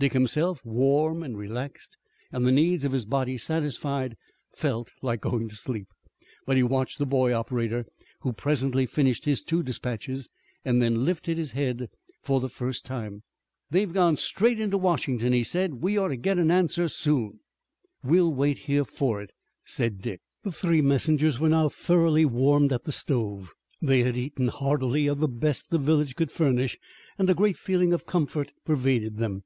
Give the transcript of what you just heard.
Dick himself, warm, relaxed, and the needs of his body satisfied, felt like going to sleep. But he watched the boy operator, who presently finished his two dispatches and then lifted his head for the first time. "They've gone straight into Washington," he said. "We ought to get an answer soon." "We'll wait here for it," said Dick. The three messengers were now thoroughly warmed at the stove, they had eaten heartily of the best the village could furnish, and a great feeling of comfort pervaded them.